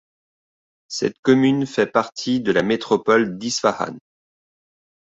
Cette commune fait partie de la métropole d'Isfahan.